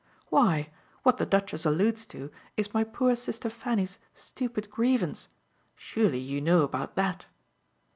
"Why, what the Duchess alludes to is my poor sister Fanny's stupid grievance surely you know about that."